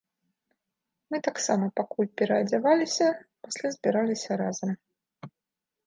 Мы таксама пакуль пераадзяваліся, пасля збіраліся разам.